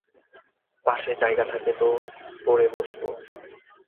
পাশে জায়গা থাকে তো পরে বসব।